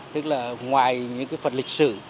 tức là ngoài những cái phần lịch sử